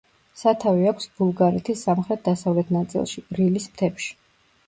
სათავე აქვს ბულგარეთის სამხრეთ-დასავლეთ ნაწილში, რილის მთებში.